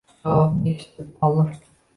javobni eshitib olib